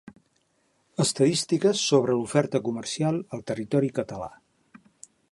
Estadístiques sobre l'oferta comercial al territori català.